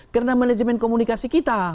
karena manajemen komunikasi kita